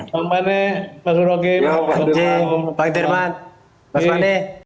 bung bane pak surokim pak sudirman